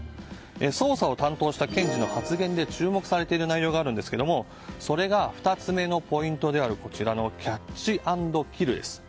捜査を担当した検事の発言で注目されている内容があるんですけれどもそれが２つ目のポイントであるこちらのキャッチ＆キルです。